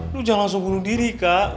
lu jangan langsung bunuh diri kak